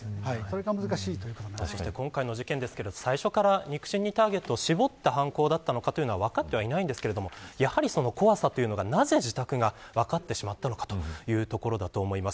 今回の事件ですが、最初から肉親にターゲットを絞った犯行だったのかは分かっていませんがやはり怖さというのが、なぜ自宅が分かってしまったのかというところです。